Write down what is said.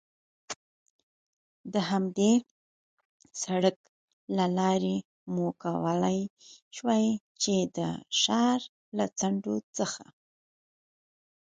د همدې سړک له لارې مو کولای شوای، چې د ښار له څنډو څخه.